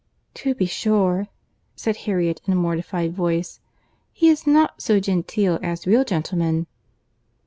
"To be sure," said Harriet, in a mortified voice, "he is not so genteel as real gentlemen."